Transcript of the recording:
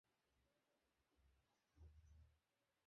আর এখন মনে হচ্ছে আমাকে ফাঁসানো হয়েছে।